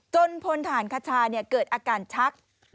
พลฐานคชาเกิดอาการชัก